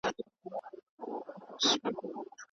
درده دردونــــو ســــره شـپــــې تـېـروم